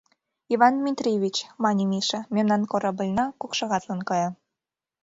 — Иван Дмитриевич, — мане Миша, — мемнан корабльна кок шагатлан кая.